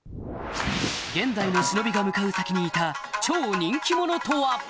現代の忍びが向かう先にいた超人気者とは？